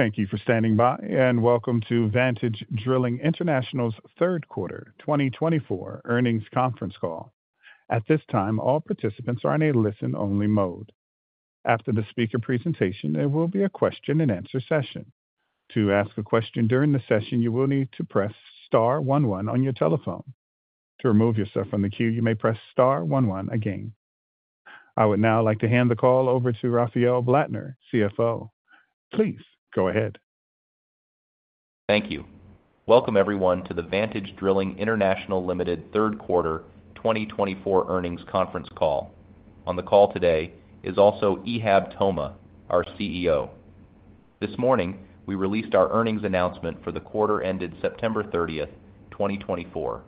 Thank you for standing by, and welcome to Vantage Drilling International's Third Quarter 2024 Earnings Conference Call. At this time, all participants are in a listen-only mode. After the speaker presentation, there will be a question-and-answer session. To ask a question during the session, you will need to press Star 11 on your telephone. To remove yourself from the queue, you may press Star 11 again. I would now like to hand the call over to Rafael Blattner, CFO. Please go ahead. Thank you. Welcome everyone to the Vantage Drilling International Limited Third Quarter 2024 Earnings Conference Call. On the call today is also Ihab Toma, our CEO. This morning, we released our earnings announcement for the quarter ended September 30, 2024.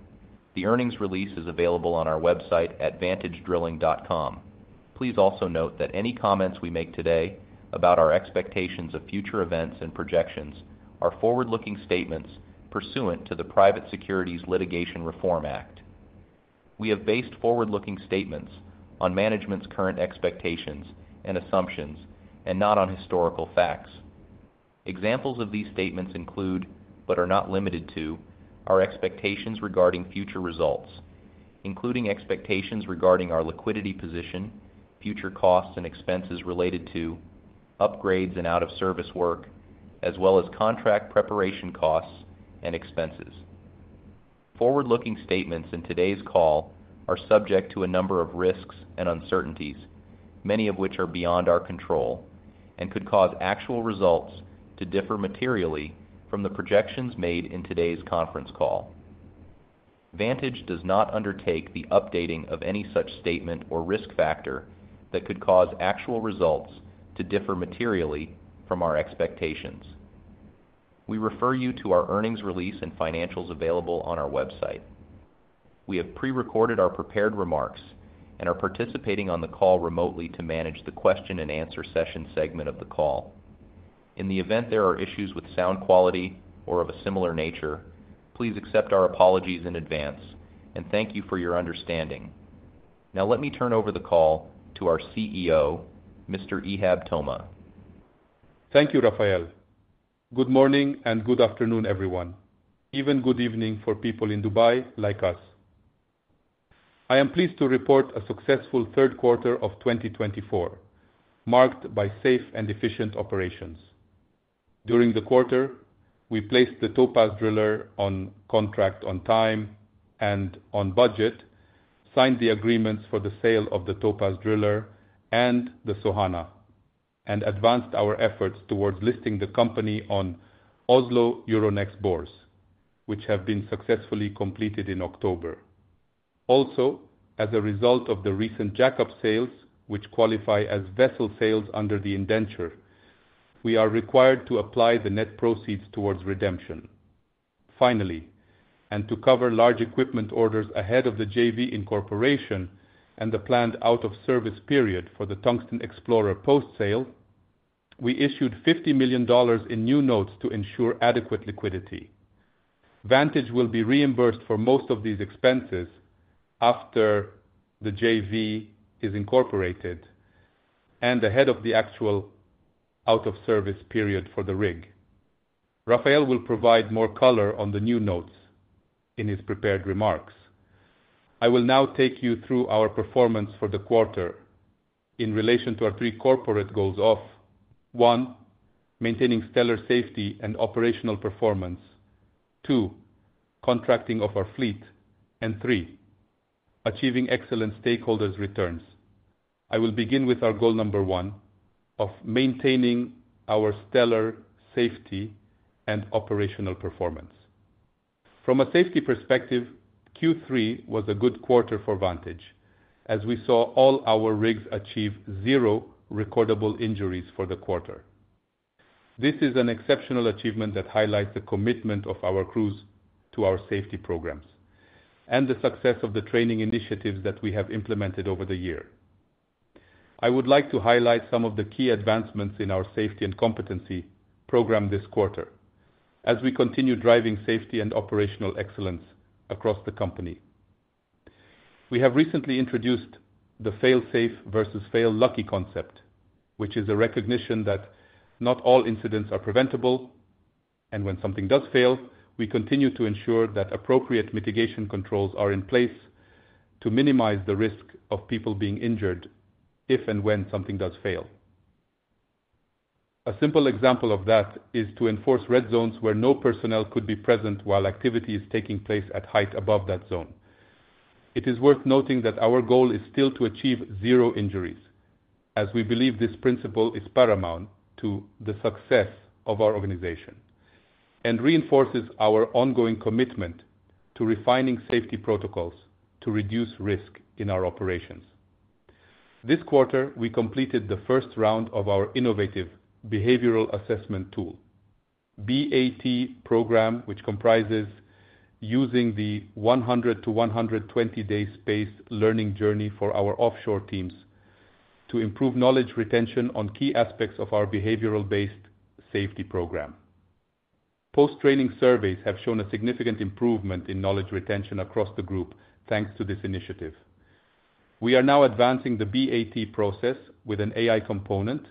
The earnings release is available on our website at vantagedrilling.com. Please also note that any comments we make today about our expectations of future events and projections are forward-looking statements pursuant to the Private Securities Litigation Reform Act. We have based forward-looking statements on management's current expectations and assumptions and not on historical facts. Examples of these statements include, but are not limited to, our expectations regarding future results, including expectations regarding our liquidity position, future costs and expenses related to upgrades and out-of-service work, as well as contract preparation costs and expenses. Forward-looking statements in today's call are subject to a number of risks and uncertainties, many of which are beyond our control and could cause actual results to differ materially from the projections made in today's conference call. Vantage does not undertake the updating of any such statement or risk factor that could cause actual results to differ materially from our expectations. We refer you to our earnings release and financials available on our website. We have pre-recorded our prepared remarks and are participating on the call remotely to manage the question-and-answer session segment of the call. In the event there are issues with sound quality or of a similar nature, please accept our apologies in advance and thank you for your understanding. Now let me turn over the call to our CEO, Mr. Ihab Toma. Thank you, Rafael. Good morning and good afternoon, everyone, even good evening for people in Dubai like us. I am pleased to report a successful third quarter of 2024, marked by safe and efficient operations. During the quarter, we placed the Topaz Driller on contract on time and on budget, signed the agreements for the sale of the Topaz Driller and the Sohana, and advanced our efforts towards listing the company on Euronext Growth Oslo, which have been successfully completed in October. Also, as a result of the recent jackup sales, which qualify as vessel sales under the indenture, we are required to apply the net proceeds towards redemption. Finally, and to cover large equipment orders ahead of the JV incorporation and the planned out-of-service period for the Tungsten Explorer post-sale, we issued $50 million in new notes to ensure adequate liquidity. Vantage will be reimbursed for most of these expenses after the JV is incorporated and ahead of the actual out-of-service period for the rig. Rafael will provide more color on the new notes in his prepared remarks. I will now take you through our performance for the quarter in relation to our three corporate goals: 1) Maintaining stellar safety and operational performance, 2) Contracting of our fleet, and 3) Achieving excellent stakeholders' returns. I will begin with our goal number 1, of maintaining our stellar safety and operational performance. From a safety perspective, Q3 was a good quarter for Vantage, as we saw all our rigs achieve zero recordable injuries for the quarter. This is an exceptional achievement that highlights the commitment of our crews to our safety programs and the success of the training initiatives that we have implemented over the year. I would like to highlight some of the key advancements in our safety and competency program this quarter, as we continue driving safety and operational excellence across the company. We have recently introduced the fail-safe versus fail-lucky concept, which is a recognition that not all incidents are preventable, and when something does fail, we continue to ensure that appropriate mitigation controls are in place to minimize the risk of people being injured if and when something does fail. A simple example of that is to enforce red zones where no personnel could be present while activity is taking place at height above that zone. It is worth noting that our goal is still to achieve zero injuries, as we believe this principle is paramount to the success of our organization and reinforces our ongoing commitment to refining safety protocols to reduce risk in our operations. This quarter, we completed the first round of our innovative behavioral assessment tool, BAT program, which comprises using the 100-120-day spaced learning journey for our offshore teams to improve knowledge retention on key aspects of our behavioral-based safety program. Post-training surveys have shown a significant improvement in knowledge retention across the group thanks to this initiative. We are now advancing the BAT process with an AI component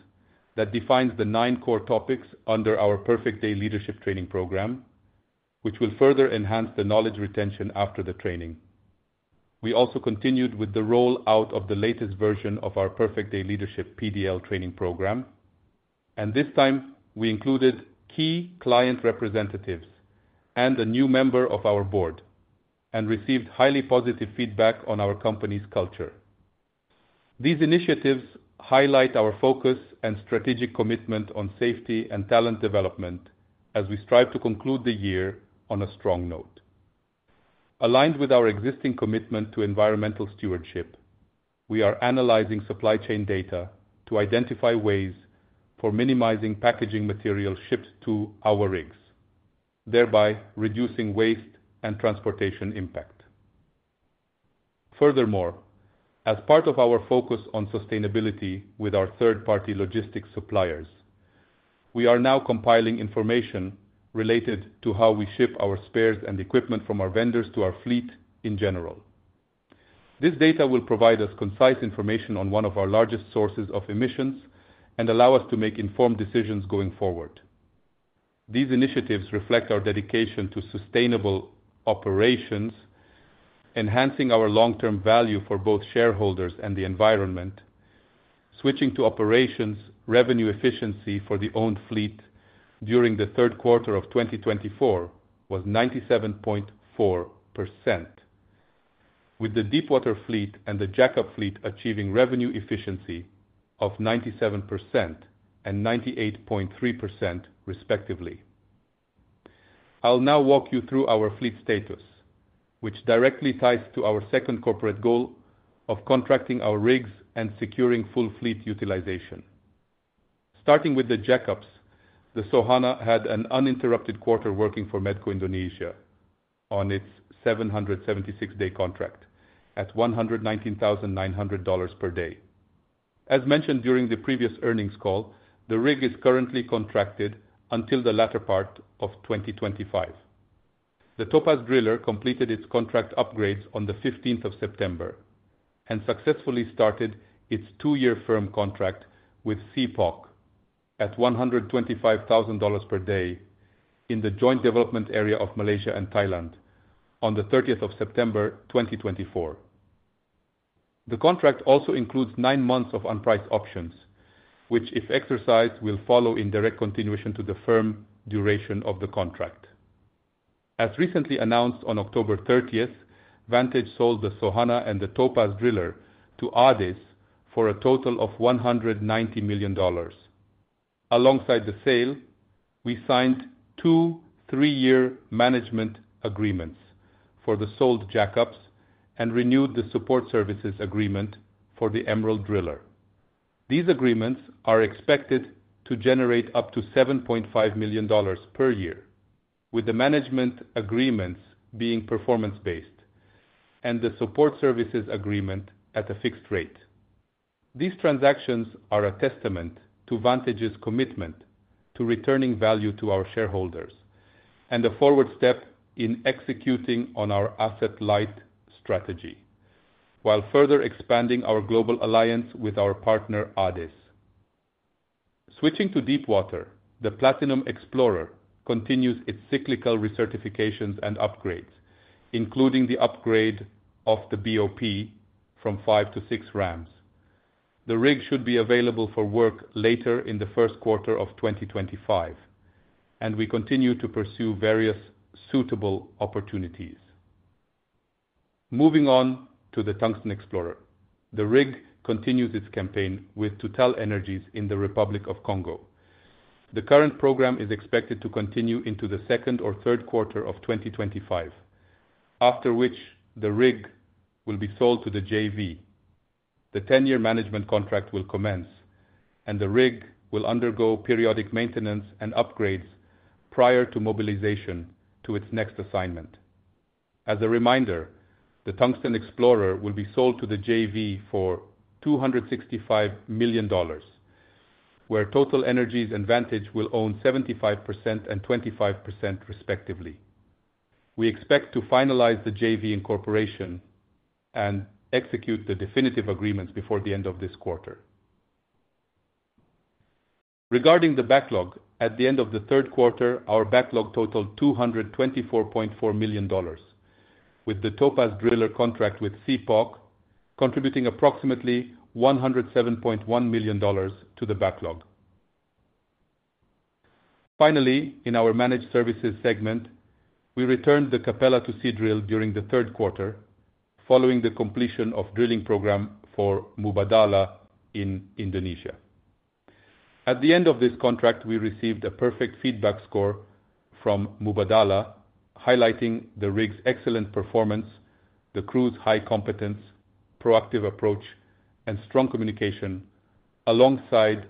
that defines the nine core topics under our Perfect Day Leadership training program, which will further enhance the knowledge retention after the training. We also continued with the rollout of the latest version of our Perfect Day Leadership PDL training program, and this time we included key client representatives and a new member of our board and received highly positive feedback on our company's culture. These initiatives highlight our focus and strategic commitment on safety and talent development as we strive to conclude the year on a strong note. Aligned with our existing commitment to environmental stewardship, we are analyzing supply chain data to identify ways for minimizing packaging material shipped to our rigs, thereby reducing waste and transportation impact. Furthermore, as part of our focus on sustainability with our third-party logistics suppliers, we are now compiling information related to how we ship our spares and equipment from our vendors to our fleet in general. This data will provide us concise information on one of our largest sources of emissions and allow us to make informed decisions going forward. These initiatives reflect our dedication to sustainable operations, enhancing our long-term value for both shareholders and the environment. Switching to operations, revenue efficiency for the owned fleet during the third quarter of 2024 was 97.4%, with the deepwater fleet and the jackup fleet achieving revenue efficiency of 97% and 98.3%, respectively. I'll now walk you through our fleet status, which directly ties to our second corporate goal of contracting our rigs and securing full fleet utilization. Starting with the jackups, the Sohana had an uninterrupted quarter working for MedcoEnergi on its 776-day contract at $119,900 per day. As mentioned during the previous earnings call, the rig is currently contracted until the latter part of 2025. The Topaz Driller completed its contract upgrades on the 15th of September and successfully started its two-year firm contract with CPOC at $125,000 per day in the Joint Development Area of Malaysia and Thailand on the 30th of September 2024. The contract also includes nine months of unpriced options, which, if exercised, will follow in direct continuation to the firm duration of the contract. As recently announced on October 30, Vantage sold the Sohana and the Topaz Driller to ADES for a total of $190 million. Alongside the sale, we signed two three-year management agreements for the sold jackups and renewed the support services agreement for the Emerald Driller. These agreements are expected to generate up to $7.5 million per year, with the management agreements being performance-based and the support services agreement at a fixed rate. These transactions are a testament to Vantage's commitment to returning value to our shareholders and a forward step in executing on our asset light strategy, while further expanding our global alliance with our partner ADES. Switching to deepwater, the Platinum Explorer continues its cyclical recertifications and upgrades, including the upgrade of the BOP from five to six rams. The rig should be available for work later in the first quarter of 2025, and we continue to pursue various suitable opportunities. Moving on to the Tungsten Explorer, the rig continues its campaign with TotalEnergies in the Republic of the Congo. The current program is expected to continue into the second or third quarter of 2025, after which the rig will be sold to the JV. The 10-year management contract will commence, and the rig will undergo periodic maintenance and upgrades prior to mobilization to its next assignment. As a reminder, the Tungsten Explorer will be sold to the JV for $265 million, where TotalEnergies and Vantage will own 75% and 25%, respectively. We expect to finalize the JV incorporation and execute the definitive agreements before the end of this quarter. Regarding the backlog, at the end of the third quarter, our backlog totaled $224.4 million, with the Topaz Driller contract with CPOC contributing approximately $107.1 million to the backlog. Finally, in our managed services segment, we returned the Capella to Seadrill during the third quarter, following the completion of the drilling program for Mubadala in Indonesia. At the end of this contract, we received a perfect feedback score from Mubadala, highlighting the rig's excellent performance, the crew's high competence, proactive approach, and strong communication, alongside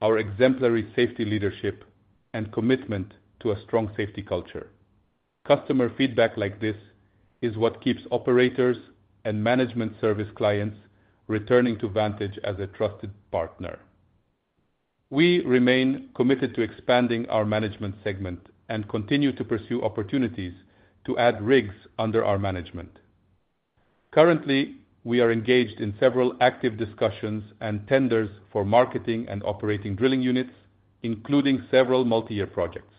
our exemplary safety leadership and commitment to a strong safety culture. Customer feedback like this is what keeps operators and management service clients returning to Vantage as a trusted partner. We remain committed to expanding our management segment and continue to pursue opportunities to add rigs under our management. Currently, we are engaged in several active discussions and tenders for marketing and operating drilling units, including several multi-year projects.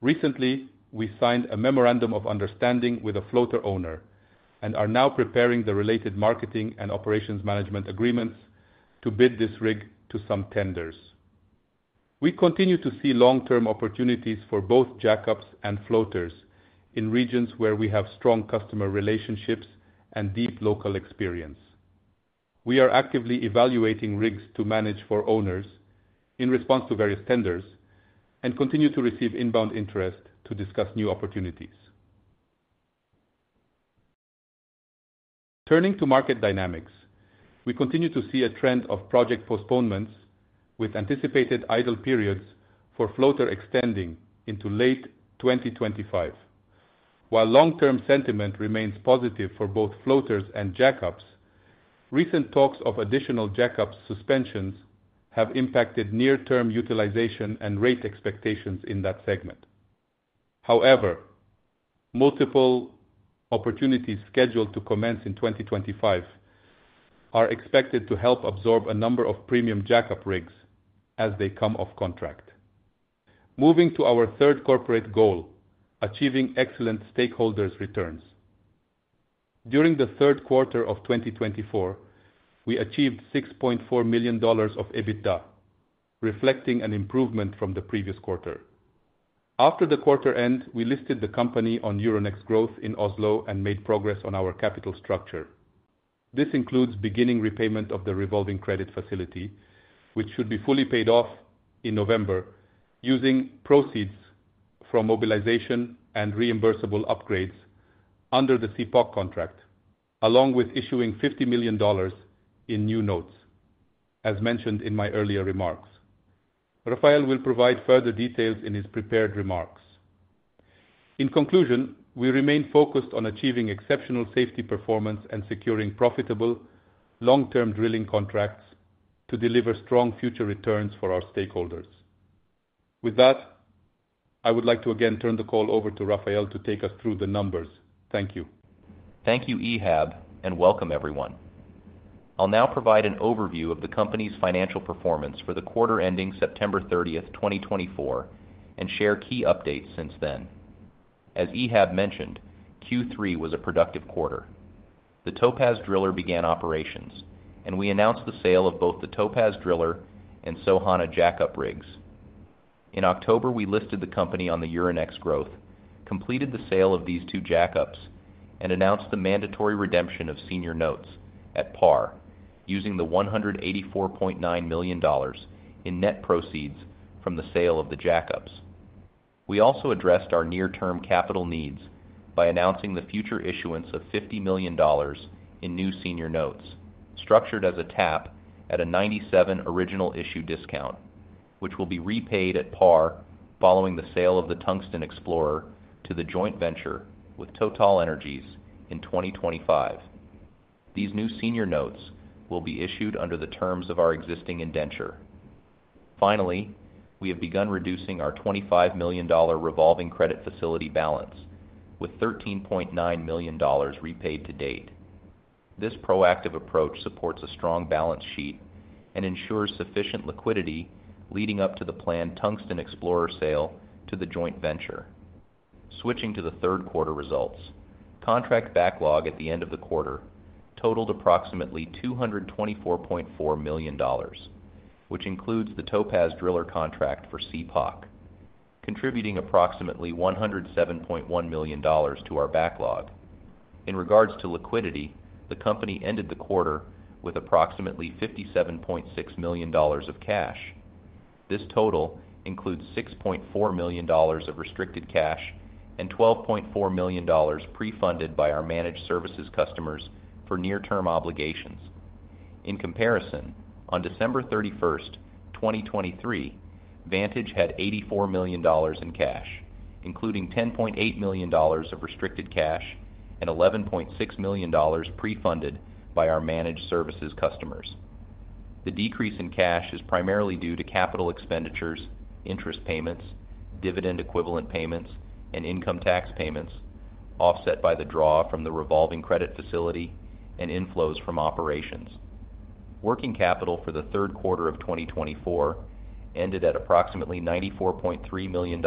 Recently, we signed a memorandum of understanding with a floater owner and are now preparing the related marketing and operations management agreements to bid this rig to some tenders. We continue to see long-term opportunities for both jackups and floaters in regions where we have strong customer relationships and deep local experience. We are actively evaluating rigs to manage for owners in response to various tenders and continue to receive inbound interest to discuss new opportunities. Turning to market dynamics, we continue to see a trend of project postponements, with anticipated idle periods for floaters extending into late 2025. While long-term sentiment remains positive for both floaters and jackups, recent talks of additional jackup suspensions have impacted near-term utilization and rate expectations in that segment. However, multiple opportunities scheduled to commence in 2025 are expected to help absorb a number of premium jackup rigs as they come off contract. Moving to our third corporate goal, achieving excellent stakeholders' returns. During the third quarter of 2024, we achieved $6.4 million of EBITDA, reflecting an improvement from the previous quarter. After the quarter end, we listed the company on Euronext Growth in Oslo and made progress on our capital structure. This includes beginning repayment of the revolving credit facility, which should be fully paid off in November using proceeds from mobilization and reimbursable upgrades under the CPOC contract, along with issuing $50 million in new notes, as mentioned in my earlier remarks. Rafael will provide further details in his prepared remarks. In conclusion, we remain focused on achieving exceptional safety performance and securing profitable long-term drilling contracts to deliver strong future returns for our stakeholders. With that, I would like to again turn the call over to Rafael to take us through the numbers. Thank you. Thank you, Ihab, and welcome everyone. I'll now provide an overview of the company's financial performance for the quarter ending September 30, 2024, and share key updates since then. As Ihab mentioned, Q3 was a productive quarter. The Topaz Driller began operations, and we announced the sale of both the Topaz Driller and Sohana jackup rigs. In October, we listed the company on the Euronext Growth, completed the sale of these two jackups, and announced the mandatory redemption of senior notes at par using the $184.9 million in net proceeds from the sale of the jackups. We also addressed our near-term capital needs by announcing the future issuance of $50 million in new senior notes, structured as a tap at a $97 original issue discount, which will be repaid at par following the sale of the Tungsten Explorer to the joint venture with TotalEnergies in 2025. These new senior notes will be issued under the terms of our existing indenture. Finally, we have begun reducing our $25 million revolving credit facility balance, with $13.9 million repaid to date. This proactive approach supports a strong balance sheet and ensures sufficient liquidity leading up to the planned Tungsten Explorer sale to the joint venture. Switching to the third quarter results, contract backlog at the end of the quarter totaled approximately $224.4 million, which includes the Topaz Driller contract for CPOC, contributing approximately $107.1 million to our backlog. In regards to liquidity, the company ended the quarter with approximately $57.6 million of cash. This total includes $6.4 million of restricted cash and $12.4 million pre-funded by our managed services customers for near-term obligations. In comparison, on December 31, 2023, Vantage had $84 million in cash, including $10.8 million of restricted cash and $11.6 million pre-funded by our managed services customers. The decrease in cash is primarily due to capital expenditures, interest payments, dividend equivalent payments, and income tax payments, offset by the draw from the revolving credit facility and inflows from operations. Working capital for the third quarter of 2024 ended at approximately $94.3 million,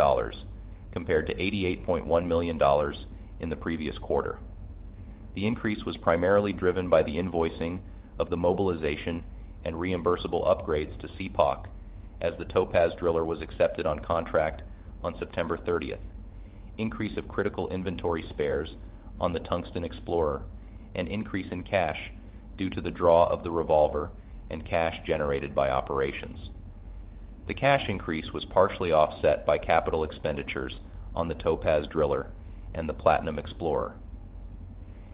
compared to $88.1 million in the previous quarter. The increase was primarily driven by the invoicing of the mobilization and reimbursable upgrades to CPOC as the Topaz Driller was accepted on contract on September 30, increase of critical inventory spares on the Tungsten Explorer, and increase in cash due to the draw of the revolver and cash generated by operations. The cash increase was partially offset by capital expenditures on the Topaz Driller and the Platinum Explorer.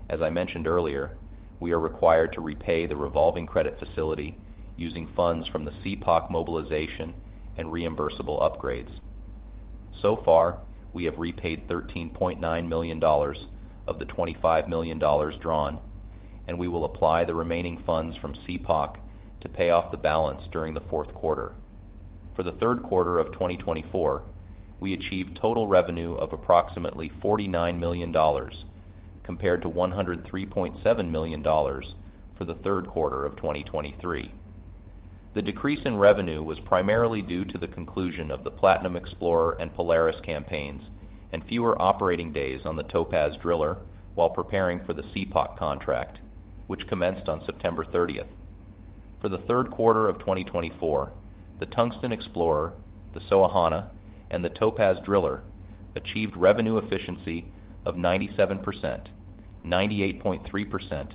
As I mentioned earlier, we are required to repay the revolving credit facility using funds from the CPOC mobilization and reimbursable upgrades. So far, we have repaid $13.9 million of the $25 million drawn, and we will apply the remaining funds from CPOC to pay off the balance during the fourth quarter. For the third quarter of 2024, we achieved total revenue of approximately $49 million, compared to $103.7 million for the third quarter of 2023. The decrease in revenue was primarily due to the conclusion of the Platinum Explorer and Polaris campaigns and fewer operating days on the Topaz Driller while preparing for the CPOC contract, which commenced on September 30. For the third quarter of 2024, the Tungsten Explorer, the Sohana, and the Topaz Driller achieved revenue efficiency of 97%, 98.3%,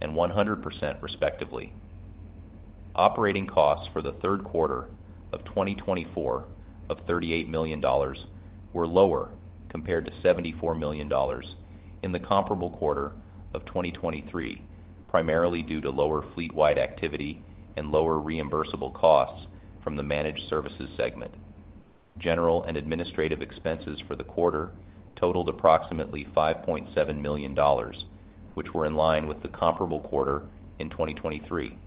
and 100%, respectively. Operating costs for the third quarter of 2024 of $38 million were lower compared to $74 million in the comparable quarter of 2023, primarily due to lower fleet-wide activity and lower reimbursable costs from the managed services segment. General and administrative expenses for the quarter totaled approximately $5.7 million, which were in line with the comparable quarter in 2023.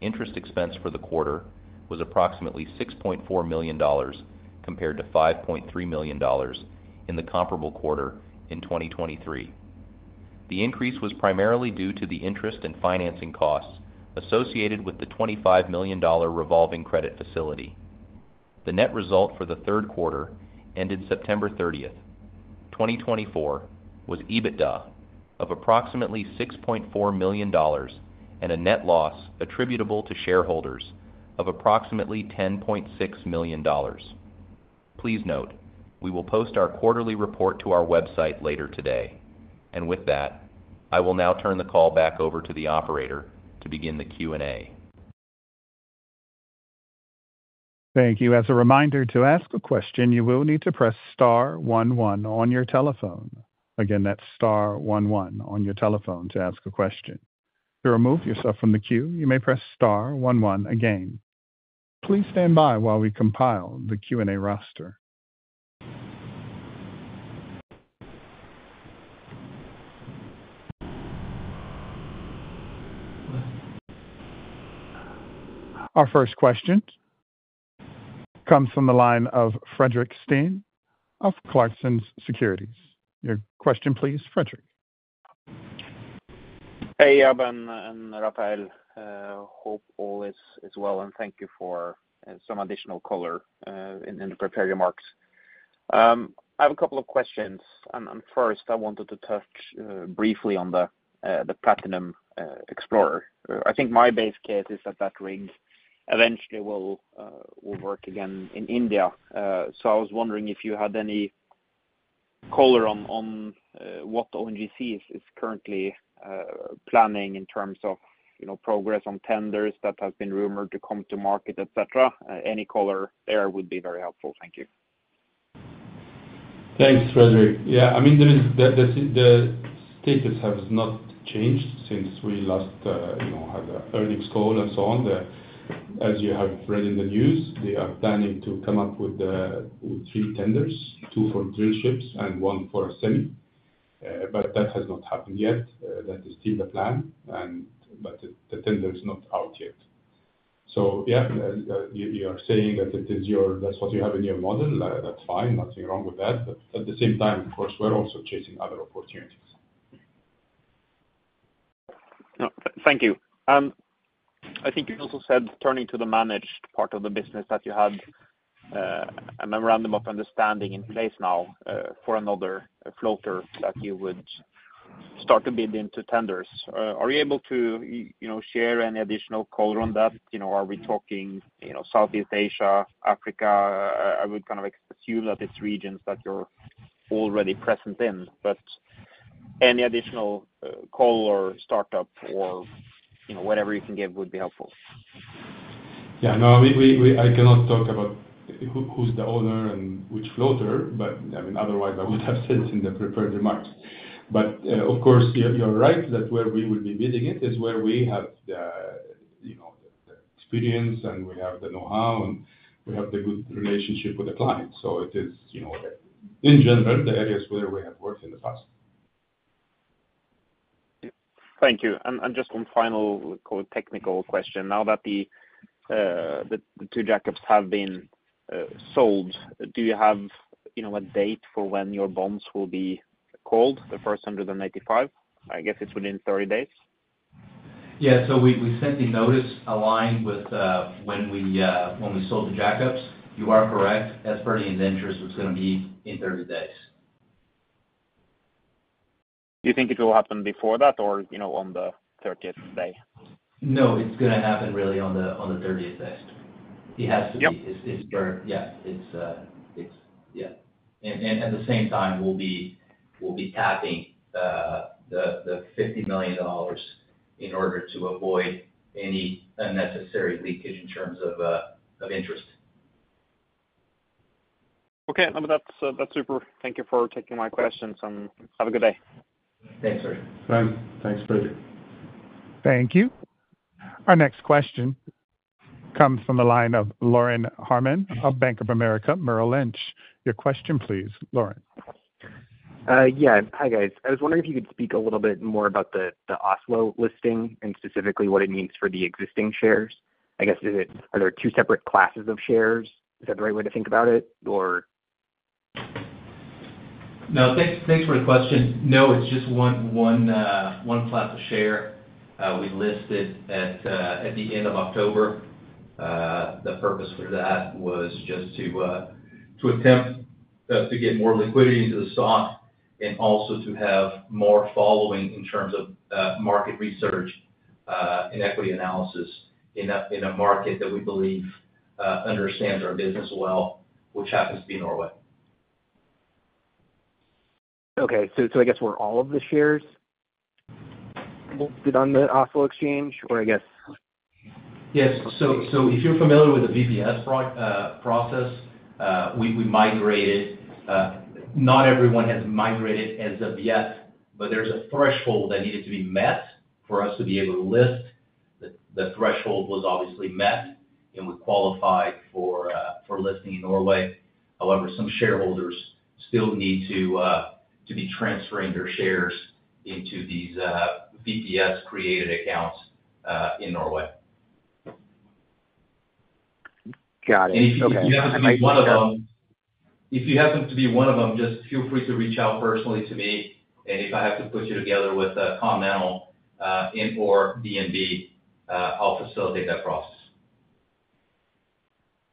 Interest expense for the quarter was approximately $6.4 million compared to $5.3 million in the comparable quarter in 2023. The increase was primarily due to the interest and financing costs associated with the $25 million revolving credit facility. The net result for the third quarter ended September 30, 2024, was EBITDA of approximately $6.4 million and a net loss attributable to shareholders of approximately $10.6 million. Please note, we will post our quarterly report to our website later today, and with that, I will now turn the call back over to the operator to begin the Q&A. Thank you. As a reminder to ask a question, you will need to press Star 11 on your telephone. Again, that's Star 11 on your telephone to ask a question. To remove yourself from the queue, you may press Star 11 again. Please stand by while we compile the Q&A roster. Our first question comes from the line of Fredrik Stene of Clarksons Securities. Your question, please, Frederick. Hey, Ihab and Rafael. Hope all is well, and thank you for some additional color in the prepared remarks. I have a couple of questions. First, I wanted to touch briefly on the Platinum Explorer. I think my base case is that that rig eventually will work again in India. So I was wondering if you had any color on what ONGC is currently planning in terms of progress on tenders that have been rumored to come to market, etc. Any color there would be very helpful. Thank you. Thanks, Frederick. Yeah, I mean, the status has not changed since we last had the earnings call and so on. As you have read in the news, they are planning to come up with three tenders, two for drillships and one for a semi. But that has not happened yet. That is still the plan, but the tender is not out yet. So yeah, you are saying that that's what you have in your model. That's fine. Nothing wrong with that. But at the same time, of course, we're also chasing other opportunities. Thank you. I think you also said, turning to the managed part of the business, that you had a memorandum of understanding in place now for another floater that you would start to bid into tenders. Are you able to share any additional color on that? Are we talking Southeast Asia, Africa? I would kind of assume that it's regions that you're already present in. But any additional color, startup, or whatever you can give would be helpful. Yeah, no, I cannot talk about who's the owner and which floater, but I mean, otherwise, I would have said it in the prepared remarks. But of course, you're right that where we will be bidding it is where we have the experience and we have the know-how and we have the good relationship with the client. So it is, in general, the areas where we have worked in the past. Thank you. And just one final technical question. Now that the two jackups have been sold, do you have a date for when your bonds will be called, the first 185? I guess it's within 30 days. Yeah, so we sent the notice aligned with when we sold the jackups. You are correct. As per the indentures, it's going to be in 30 days. Do you think it will happen before that or on the 30th day? No, it's going to happen really on the 30th day. It has to be his birth. Yeah. Yeah. And at the same time, we'll be tapping the $50 million in order to avoid any unnecessary leakage in terms of interest. Okay. That's super. Thank you for taking my questions. Have a good day. Thanks, Frederick. Thanks, Frederick. Thank you. Our next question comes from the line of Lorin Harman of Bank of America, Merrill Lynch. Your question, please, Loren. Yeah. Hi, guys. I was wondering if you could speak a little bit more about the Oslo listing and specifically what it means for the existing shares. I guess, are there two separate classes of shares? Is that the right way to think about it, or? No, thanks for the question. No, it's just one class of share. We listed at the end of October. The purpose for that was just to attempt to get more liquidity into the stock and also to have more following in terms of market research and equity analysis in a market that we believe understands our business well, which happens to be Norway. Okay. So I guess all of the shares are listed on the Oslo exchange, or I guess. Yes. So if you're familiar with the VPS process, we migrated. Not everyone has migrated as of yet, but there's a threshold that needed to be met for us to be able to list. The threshold was obviously met, and we qualified for listing in Norway. However, some shareholders still need to be transferring their shares into these VPS-created accounts in Norway. Got it. Okay. If you happen to be one of them, just feel free to reach out personally to me. And if I have to put you together with Continental and/or DNB, I'll facilitate that process.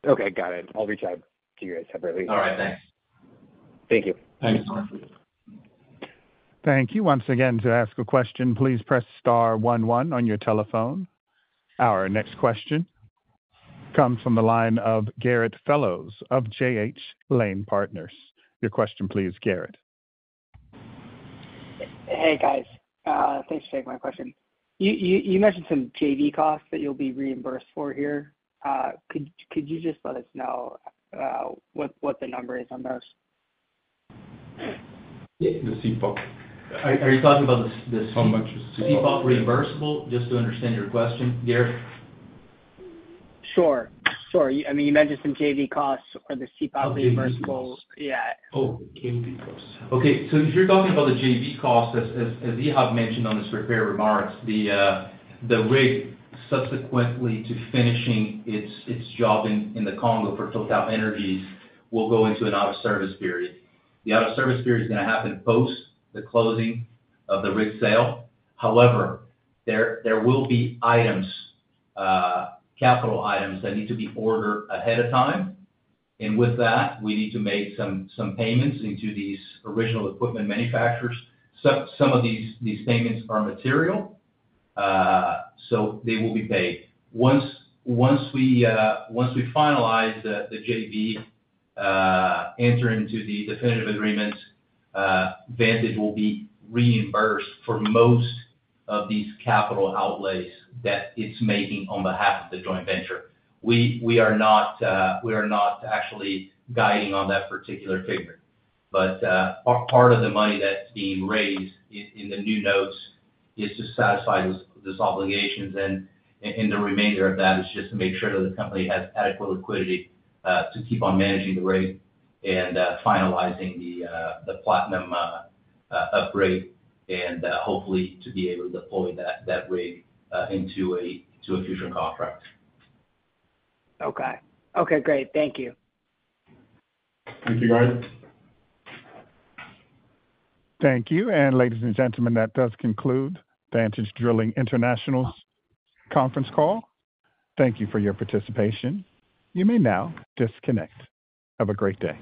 Okay. Got it. I'll reach out to you guys separately. All right. Thanks. Thank you. Thanks. Thank you. Thank you. Once again, to ask a question, please press Star 11 on your telephone. Our next question comes from the line of Garrett Fellows of J.H. Lane Partners. Your question, please, Garrett. Hey, guys. Thanks for taking my question. You mentioned some JV costs that you'll be reimbursed for here. Could you just let us know what the number is on those? The CPOC. Are you talking about the CPOC reimbursable? Just to understand your question, Garrett. Sure. Sure. I mean, you mentioned some JV costs or the CPOC reimbursable. Yeah. Oh, JV costs. Okay. So if you're talking about the JV costs, as Ihab mentioned on his prepared remarks, the rig, subsequently to finishing its job in the Congo for TotalEnergies, will go into an out-of-service period. The out-of-service period is going to happen post the closing of the rig sale. However, there will be capital items that need to be ordered ahead of time. And with that, we need to make some payments into these original equipment manufacturers. Some of these payments are material, so they will be paid. Once we finalize the JV, enter into the definitive agreement, Vantage will be reimbursed for most of these capital outlays that it's making on behalf of the joint venture. We are not actually guiding on that particular figure. But part of the money that's being raised in the new notes is to satisfy those obligations. And the remainder of that is just to make sure that the company has adequate liquidity to keep on managing the rig and finalizing the Platinum upgrade, and hopefully to be able to deploy that rig into a future contract. Okay. Okay. Great. Thank you. Thank you, guys. Thank you. And ladies and gentlemen, that does conclude Vantage Drilling International's conference call. Thank you for your participation. You may now disconnect. Have a great day.